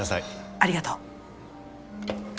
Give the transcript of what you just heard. ありがとう。